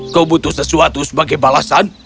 kau butuh sesuatu sebagai balasan